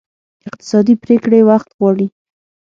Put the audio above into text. اقتصادي پرېکړې وخت غواړي.